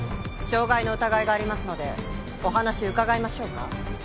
傷害の疑いがありますのでお話伺いましょうか。